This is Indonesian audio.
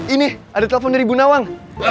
ini ada telepon dari bu nawang